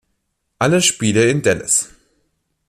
Alle Spiele in Dallas.